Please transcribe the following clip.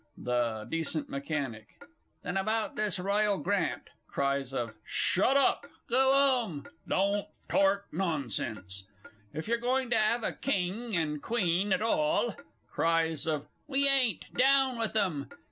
THE D. M. Then about this Royal Grant. (Cries of "Shut up!" "Go 'ome!" "Don't tork nonsense!") If you're going to 'ave a King and Queen at all (_Cries of "We ain't! Down with 'em!"